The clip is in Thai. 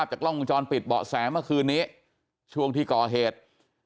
จากกล้องวงจรปิดเบาะแสเมื่อคืนนี้ช่วงที่ก่อเหตุ